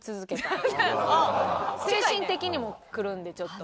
精神的にもくるんでちょっと。